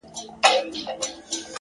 • ه بيا دي ږغ کي يو عالم غمونه اورم،